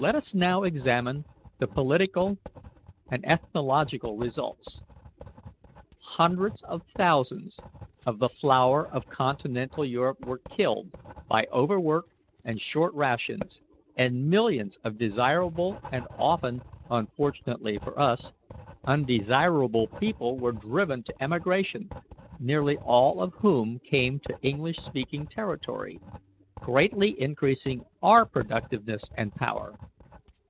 "Let us now examine the political and ethnological results. Hundreds of thousands, of the flower of Continental Europe were killed by overwork and short rations, and millions of desirable and often unfortunately for us undesirable people were driven to emigration, nearly all of whom came to English speaking territory, greatly increasing our productiveness and power.